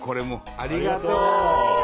ありがとう！